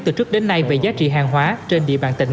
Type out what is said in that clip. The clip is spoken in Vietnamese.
từ trước đến nay về giá trị hàng hóa trên địa bàn tỉnh